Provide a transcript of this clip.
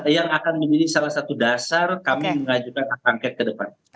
yang akan menjadi salah satu dasar kami mengajukan hak angket ke depan